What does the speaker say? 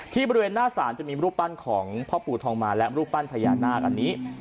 บริเวณหน้าศาลจะมีรูปปั้นของพ่อปู่ทองมาและรูปปั้นพญานาคอันนี้